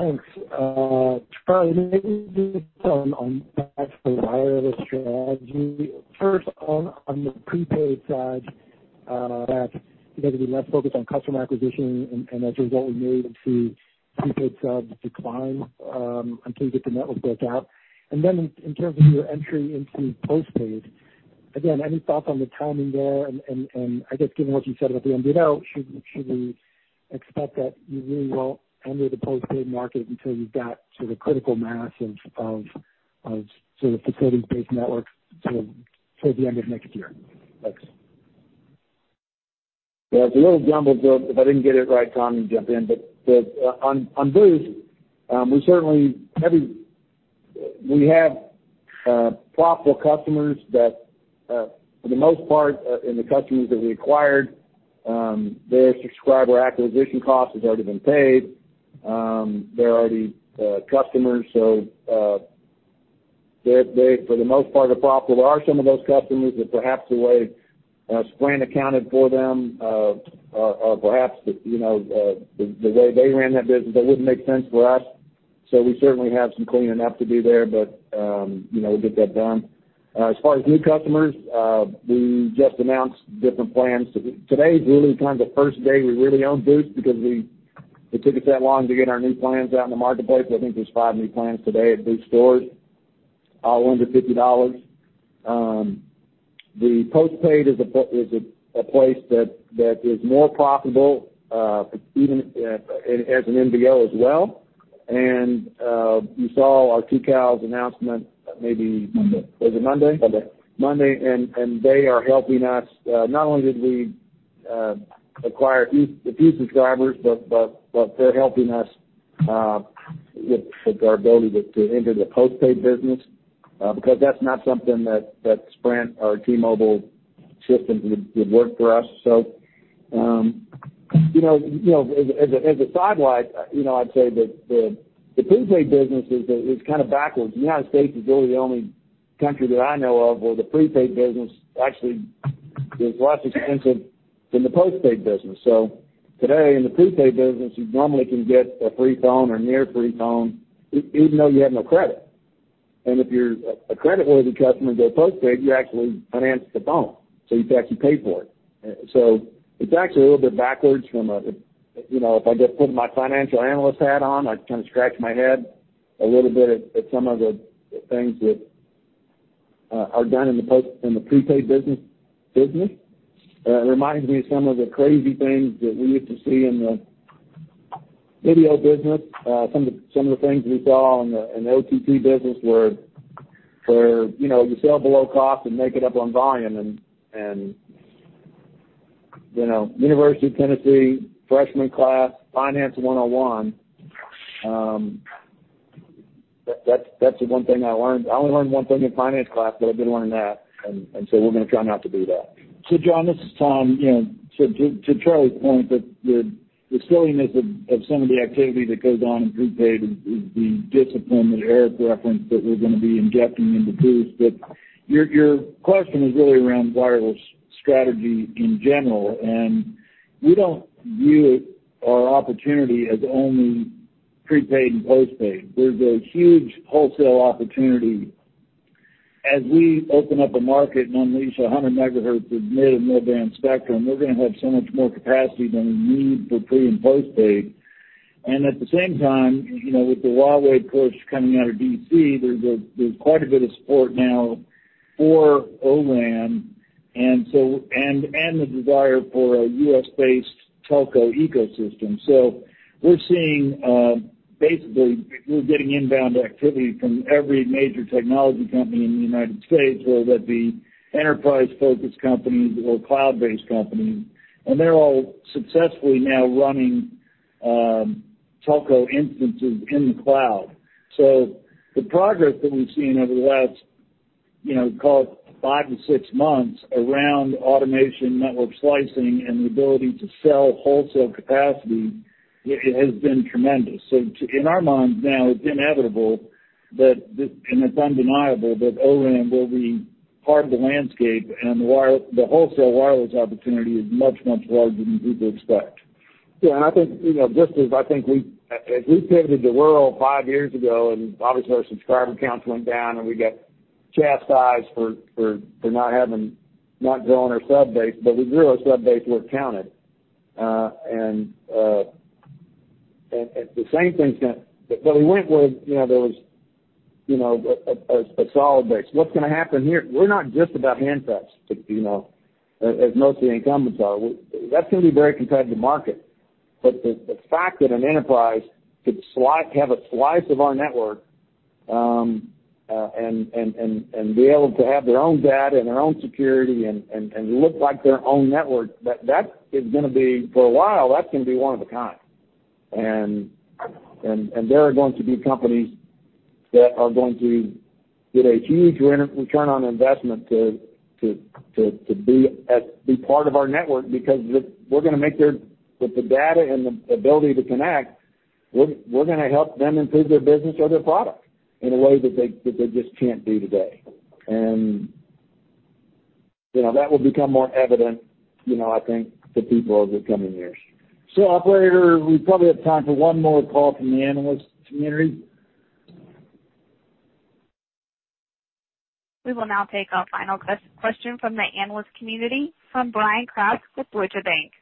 Thanks. Charlie, maybe just on, perhaps, the wireless strategy. First, on the prepaid side, that may be less focused on customer acquisition, as a result, we may see prepaid subs decline until you get the network built out. In terms of your entry into postpaid, again, any thoughts on the timing there? I guess given what you said about the MVNO, should we expect that you really won't enter the postpaid market until you've got critical mass of the DISH-owned network towards the end of next year? Thanks. It's a little jumbled. If I didn't get it right, John, you can jump in. On Boost, we certainly we have profitable customers that for the most part, in the customers that we acquired, their subscriber acquisition cost has already been paid. They're already customers, they for the most part, are profitable. There are some of those customers that perhaps the way Sprint accounted for them, or perhaps the, you know, the way they ran that business, that wouldn't make sense for us. We certainly have some cleaning up to do there, you know, we'll get that done. As far as new customers, we just announced different plans. Today is really kind of the first day we really own Boost because it took us that long to get our new plans out in the marketplace. I think there's five new plans today at Boost stores, all under $50. The postpaid is a place that is more profitable, even as an MVNO as well. You saw our PALs announcement. Monday. Was it Monday? Monday. Monday. They are helping us. Not only did we acquire the T-Mobile subscribers, but they're helping us with our ability to enter the postpaid business, because that's not something that Sprint or T-Mobile systems would work for us. You know, as a sideline, you know, I'd say that the prepaid business is kind of backwards. U.S. is really the only country that I know of where the prepaid business actually is less expensive than the postpaid business. Today, in the prepaid business, you normally can get a free phone or near free phone even though you have no credit. If you're a creditworthy customer, go postpaid; you actually finance the phone, so you've actually paid for it. It's actually a little bit backwards from, you know, if I just put my financial analyst hat on, I kind of scratch my head a little bit at some of the things that are done in the prepaid business. It reminds me of some of the crazy things that we used to see in the video business. Some of the things we saw in the OTT business where, you know, you sell below cost and make it up on volume. You know, University of Tennessee freshman class Finance 101, that's the one thing I learned. I only learned one thing in finance class, but I did learn that. We're gonna try not to do that. John, this is Tom. You know, to Charlie's point, the silliness of some of the activity that goes on in prepaid is the discipline that Erik Carlson referenced that we're going to be injecting into Boost Mobile. Your question is really around wireless strategy in general; we don't view our opportunity as only prepaid and postpaid. There's a huge wholesale opportunity as we open up a market and unleash 100 megahertz of mid-band and millimeter-wave band spectrum; we're going to have so much more capacity than we need for pre- and postpaid. At the same time, you know, with the Huawei push coming out of D.C., there's quite a bit of support now for O-RAN, the desire for a U.S.-based telco ecosystem. We're seeing, basically we're getting inbound activity from every major technology company in the U.S., whether that be enterprise-focused companies or cloud-based companies, and they're all successfully now running telco instances in the cloud. The progress that we've seen over the last, you know, call it five-six months around automation, network slicing, and the ability to sell wholesale capacity, it has been tremendous. In our minds now, it's inevitable that and it's undeniable that O-RAN will be part of the landscape. The wholesale wireless opportunity is much, much larger than people expect. Yeah. I think, you know, just as I think as we pivoted the world five years ago, obviously our subscriber counts went down, and we got chastised for not growing our sub base, but we grew our sub base where it counted. The same thing's gonna. We went with it; you know, there was, you know, a solid base. What's gonna happen here? We're not just about handsets, you know, as most of the incumbents are. That's gonna be a very competitive market. The fact that an enterprise could have a slice of our network and be able to have their own data and their own security and look like their own network, that is going to be for a while, that is going to be one of a kind. There are going to be companies that are going to get a huge return on investment to be part of our network because with the data and the ability to connect, we are going to help them improve their business or their product in a way that they just can't do today. You know, that will become more evident, you know, I think to people over the coming years. Operator, we probably have time for one more call from the analyst community. We will now take our final question from the analyst community, from Bryan Kraft with Deutsche Bank.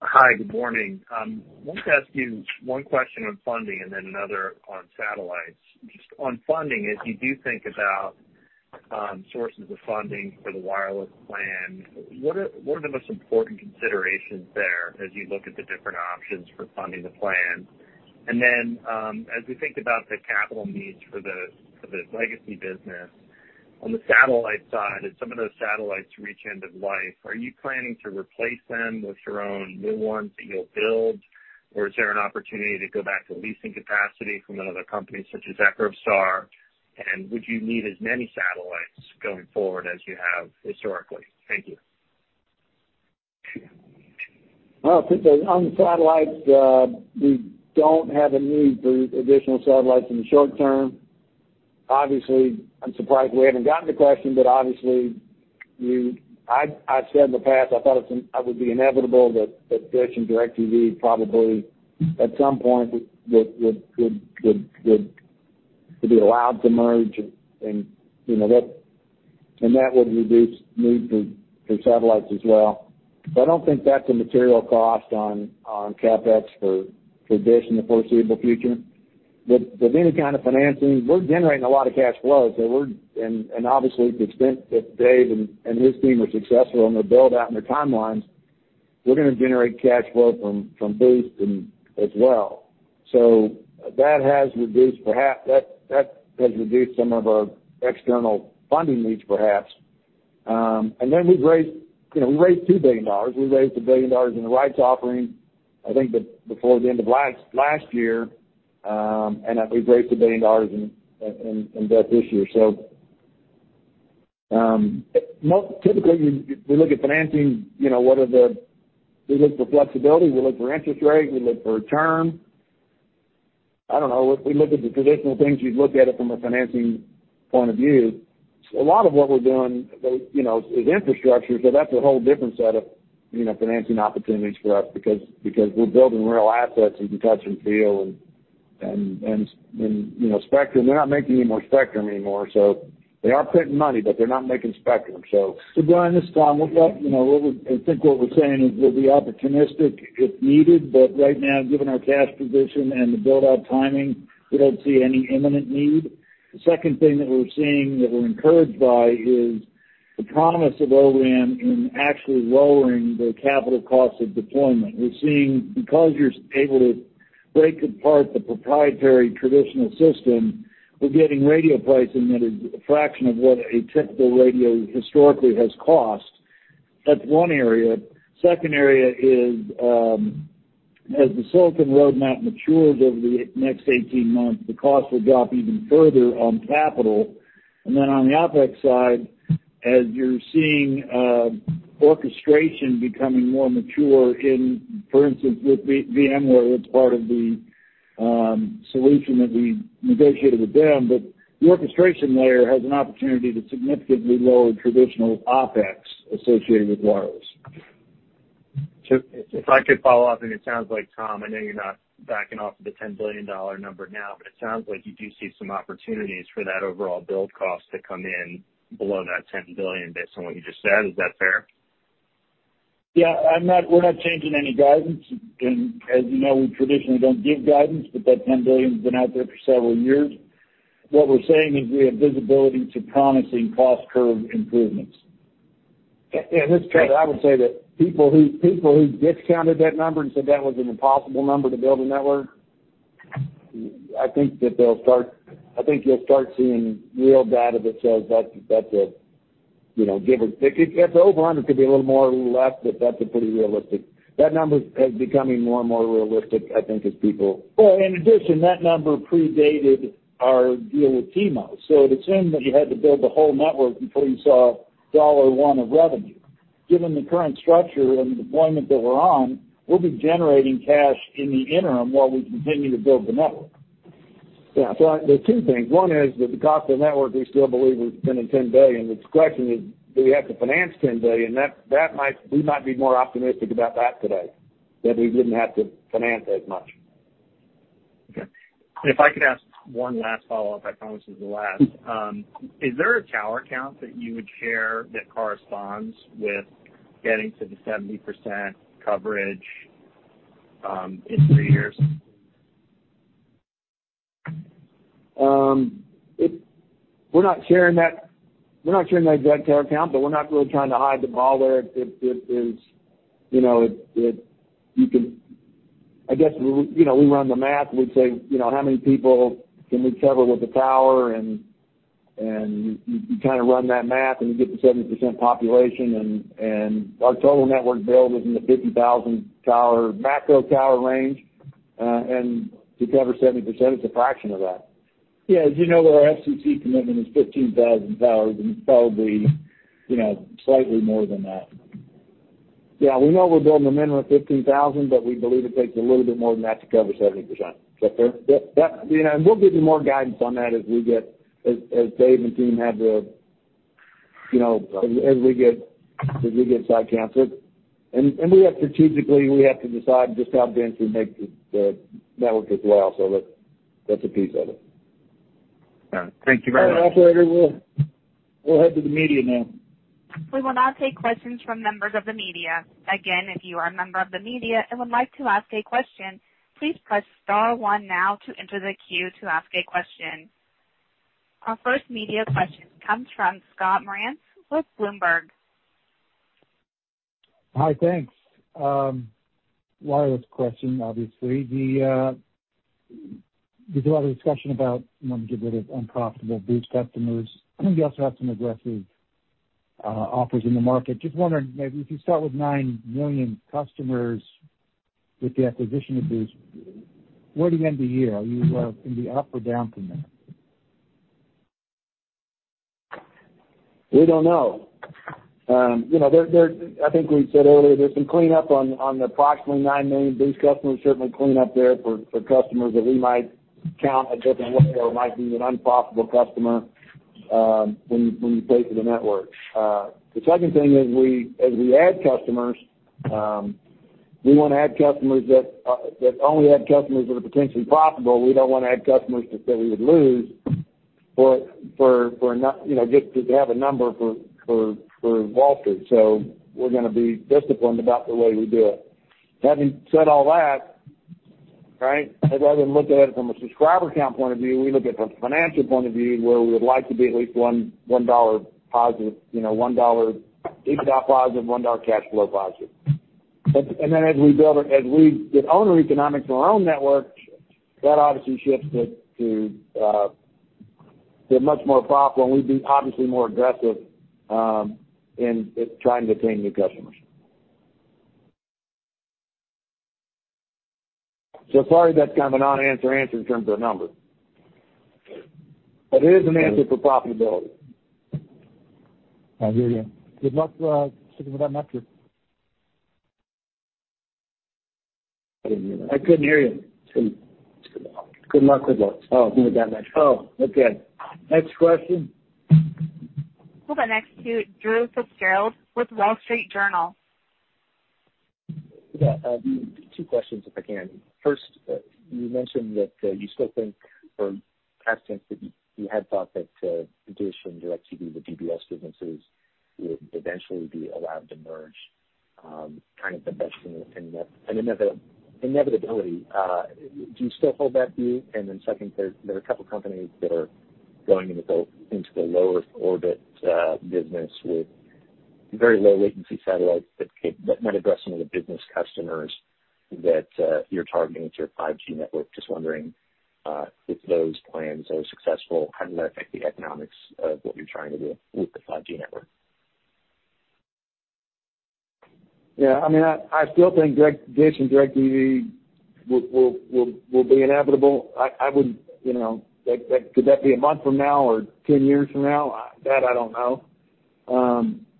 Hi, good morning. I wanted to ask you one question on funding and then another on satellites. Just on funding, as you do think about sources of funding for the wireless plan, what are the most important considerations there as you look at the different options for funding the plan? As we think about the capital needs for the legacy business on the satellite side, as some of those satellites reach end of life, are you planning to replace them with your own new ones that you'll build? Or is there an opportunity to go back to leasing capacity from another company such as EchoStar? Would you need as many satellites going forward as you have historically? Thank you. On the satellites, we don't have a need for additional satellites in the short term. Obviously, I'm surprised we haven't gotten the question, but obviously, as I've said in the past, I thought it would be inevitable that DISH and DIRECTV probably at some point would be allowed to merge, and, you know, that would reduce the need for satellites as well. I don't think that's a material cost on CapEx for DISH in the foreseeable future. With any kind of financing, we're generating a lot of cash flow. Obviously, to the extent that Dave and his team are successful in their build-out and their timelines, we're gonna generate cash flow from Boost as well. That has reduced some of our external funding needs, perhaps. We've raised, you know, we raised $2 billion. We raised $1 billion in the rights offering, I think, before the end of last year, and we've raised $1 billion in debt this year. Typically, we look at financing; you know, we look for flexibility, we look for interest rates, and we look for terms. We look at the traditional things you'd look at it from a financing point of view. A lot of what we're doing, you know, is infrastructure, so that's a whole different set of, you know, financing opportunities for us because we're building real assets we can touch and feel and, you know, spectrum. They're not making any more spectrum anymore, so they are printing money, but they're not making spectrum. Bryan, this is Tom. We'll let you know; what we're saying is we'll be opportunistic if needed, but right now, given our cash position and the build-out timing, we don't see any imminent need. The second thing that we're seeing that we're encouraged by is the promise of O-RAN in actually lowering the capital cost of deployment. We're seeing because you're able to break apart the proprietary traditional system, we're getting radio pricing at a fraction of what a typical radio historically has cost. That's one area. The second area is, as the silicon roadmap matures over the next 18 months, the cost will drop even further on capital. Then on the OpEx side, as you're seeing, orchestration is becoming more mature, and, for instance, with VMware, it's part of the solution that we negotiated with them. The orchestration layer has an opportunity to significantly lower traditional OpEx associated with wireless. If I could follow up, and it sounds like it, Tom, I know you're not backing off of the $10 billion number now, but it sounds like you do see some opportunities for that overall build cost to come in below that $10 billion based on what you just said. Is that fair? Yeah, we're not changing any guidance. As you know, we traditionally don't give guidance, but that $10 billion's been out there for several years. What we're saying is we have visibility to promising cost curve improvements. Yeah. I would say that people who discounted that number and said that was an impossible number to build a network, I think you'll start seeing real data that shows that's a, you know, it's over on it could be a little more or less, but that's a pretty realistic. That number is becoming more and more realistic, I think, as people Well, in addition, that number predated our deal with T-Mo. It assumed that you had to build the whole network before you saw dollar one of revenue. Given the current structure and the deployment that we're on, we'll be generating cash in the interim while we continue to build the network. Yeah. There are two things. One is that the cost of the network, we still believe is $10 billion. The question is, do we have to finance $10 billion? We might be more optimistic about that today, that we wouldn't have to finance as much. Okay. If I could, I'd ask one last follow-up. I promise it's the last. Is there a tower count that you would share that corresponds with getting to the 70% coverage in three years? We're not sharing that. We're not sharing the exact tower count, but we're not really trying to hide the ball there. It is, you know, I guess, you know, we run the math, we'd say, you know, how many people can we cover with a tower and you kind of run that math, and you get the 70% population and our total network build is in the 50,000 macro tower range, and to cover 70%, it's a fraction of that. Yeah. As you know, our FCC commitment is 15,000 towers, and it's probably, you know, slightly more than that. Yeah. We know we're building a minimum of 15,000, but we believe it takes a little bit more than that to cover 70%. Is that fair? Yeah. You know, we'll give you more guidance on that as Dave and the team have the, you know, as we get site counts. Strategically, we have to decide just how dense we make the network as well. That's a piece of it. All right. Thank you very much. All right, operator, we'll head to the media now. We will now take questions from members of the media. Again, if you are a member of the media and would like to ask a question, please press star one now to enter the queue to ask a question. Our first media question comes from Scott Moritz with Bloomberg. Hi, thanks. Wireless question, obviously. Then, there's a lot of discussion about wanting to get rid of unprofitable Boost customers, and you also have some aggressive offers in the market. Just wondering, maybe if you start with 9 million customers with the acquisition of Boost, where do you end the year? Are you up or down from there? We don't know. You know, I think we said earlier there's some cleanup on the approximately 9 million Boost customers; certainly, there's cleanup there for customers that we might count a different way or might be an unprofitable customer when you pay for the network. The second thing is as we add customers, we wanna add customers that only add customers that are potentially profitable. We don't wanna add customers that we would lose for not, you know, just to have a number for Wall Street. We're gonna be disciplined about the way we do it. Having said all that, right, I'd rather look at it from a subscriber count point of view; we look at it from a financial point of view, where we would like to be at least $1+, you know, $1+ EBITDA, $1+ cash flow. As we get owner economics on our own network, that obviously shifts to much more profit, and we'd obviously be more aggressive in trying to attain new customers. Sorry, that's kind of a non-answer answer in terms of a number. It is an answer for profitability. I hear you. Good luck sticking with that metric. I didn't hear that. I couldn't hear you. Good luck. Good luck with that metric. Oh, okay. Next question. We'll go next to Drew FitzGerald with The Wall Street Journal. Yeah. Two questions, if I can. First, you mentioned that you still think for past tense that you had thought that DISH and DIRECTV, the DBS businesses, would eventually be allowed to merge, kind of the best thing that can happen, an inevitability. Do you still hold that view? Second, there are a couple companies that are going into low Earth orbit with very low latency satellites that could address some of the business customers that you're targeting with your 5G network. Just wondering, if those plans are successful, how does that affect the economics of what you're trying to do with the 5G network? Yeah, I mean, I still think Dish and DIRECTV will be inevitable. I would, you know, could that be a month from now or 10 years from now? That I don't know.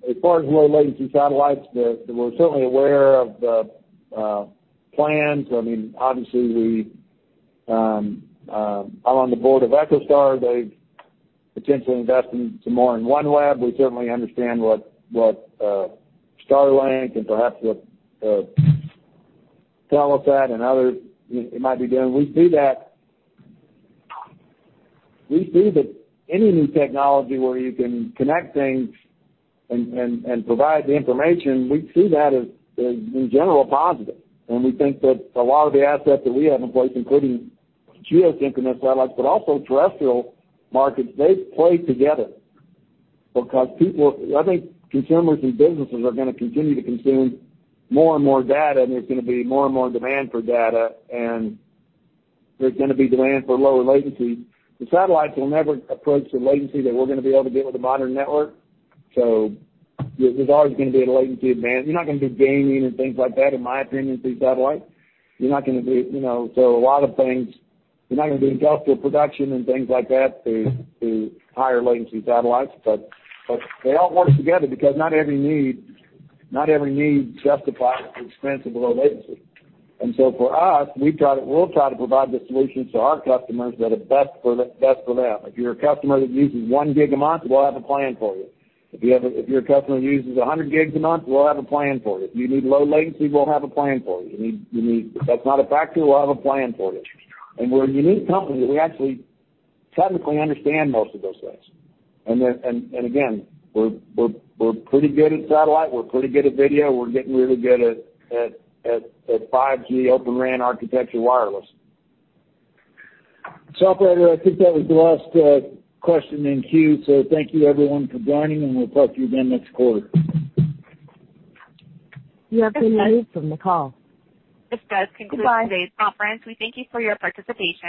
As far as low-latency satellites, we're certainly aware of the plans. I mean, obviously we—I'm on the board of EchoStar. They've potentially investing some more in OneWeb. We certainly understand what Starlink and perhaps what Telesat and others might be doing. We see that any new technology where you can connect things and provide the information, we see that as, in general, positive. We think that a lot of the assets that we have in place, including geosynchronous satellites but also terrestrial markets, they play together because I think consumers and businesses are gonna continue to consume more and more data, and there's gonna be more and more demand for data, and there's gonna be demand for lower latency. The satellites will never approach the latency that we're gonna be able to get with a modern network, so there's always gonna be a latency advantage. You're not gonna do gaming and things like that, in my opinion, through satellite. You're not gonna do, you know, so a lot of things; you're not gonna do industrial production and things like that through higher latency satellites. They all work together because not every need justifies the expense of low latency. For us, we'll try to provide the solutions to our customers that are best for them. If you're a customer that uses 1 gig a month, we'll have a plan for you. If you're a customer who uses 100 gigs a month, we'll have a plan for you. If you need low latency, we'll have a plan for you. If that's not a factor, we'll have a plan for you. We're a unique company that we actually technically understand most of those things. Again, we're pretty good at satellite, we're pretty good at video, we're getting really good at 5G Open RAN architecture wireless. Operator, I think that was the last question in the queue, so thank you everyone for joining, and we'll talk to you again next quarter. This does conclude today's conference. Goodbye. We thank you for your participation.